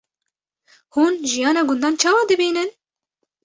Hûn jiyana gundan çawa dibînin?